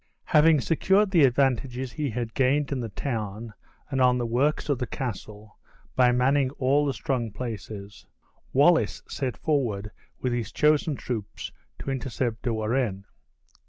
Having secured the advantages he had gained in the town and on the works of the castle, by manning all the strong places, Wallace set forward with his chosen troops to intercept De Warenne.